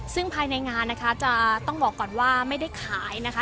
ซึ่งภายในงานนะคะจะต้องบอกก่อนว่าไม่ได้ขายนะคะ